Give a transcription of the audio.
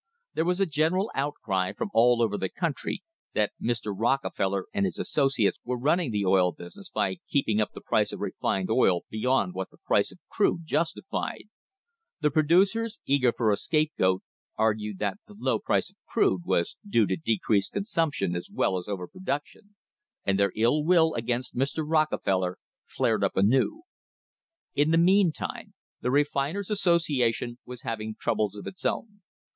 There was a gen eral outcry from all over the country that Mr. Rockefeller and his associates were running the oil business by keeping up the price of refined oil beyond what the price of crude justified. The producers, eager for a scape goat, argued that the low price of crude was due to decreased consumption as "AN UNHOLY ALLIANCE" well as over production, and their ill will against Mr. Rocke feller flared up anew. In the meantime the Refiners' Associ ation was having troubles of its own.